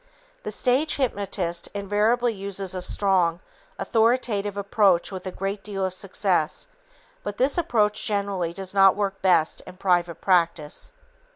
The stage hypnotist invariably uses a strong, authoritative approach with a great deal of success, but this approach generally does not work best in private practice.